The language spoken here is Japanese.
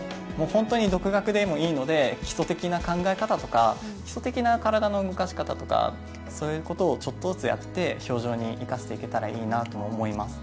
本当に独学でもいいので基礎的な考え方とか基礎的な体の動かし方とか、そういうことをちょっとずつやって氷上に生かせていけたらいいなと思います。